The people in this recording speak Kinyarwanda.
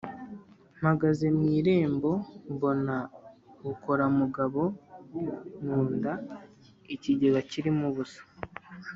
Mpagaze mu irembo mbona Bukoramungabo mu nda-Ikigega kirimo ubusa.